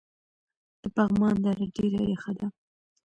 د پغمان دره ډیره یخه ده